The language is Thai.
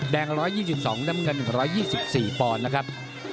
แดง๑๒๒น้ำเงิน๑๒๔ป้อนนะครับ